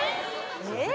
えっ？